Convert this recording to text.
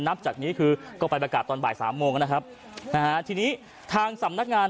นับจากนี้คือก็ไปประกาศตอนบ่ายสามโมงนะครับนะฮะทีนี้ทางสำนักงาน